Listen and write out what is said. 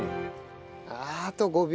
あと５秒。